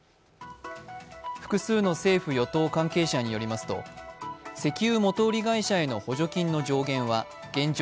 複数の政府・与党の関係者によりますと石油元売り会社への補助金の上限は現状